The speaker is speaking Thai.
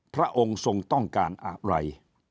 พระองค์ทรงต้องการอะไร